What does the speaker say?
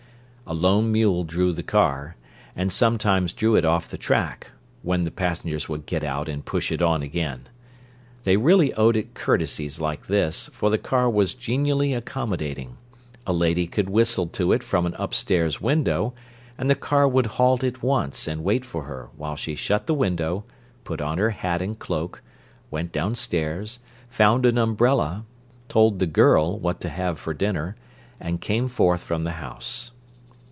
A lone mule drew the car, and sometimes drew it off the track, when the passengers would get out and push it on again. They really owed it courtesies like this, for the car was genially accommodating: a lady could whistle to it from an upstairs window, and the car would halt at once and wait for her while she shut the window, put on her hat and cloak, went downstairs, found an umbrella, told the "girl" what to have for dinner, and came forth from the house.